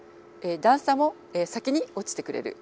段差も先に落ちてくれる。